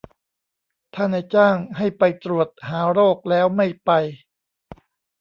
ถ้านายจ้างให้ไปตรวจหาโรคแล้วไม่ไป